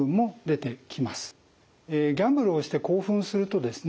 ギャンブルをして興奮するとですね